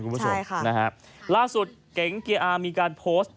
คุณผู้ชมใช่ค่ะนะฮะล่าสุดเก๋งเกียร์อาร์มีการโพสต์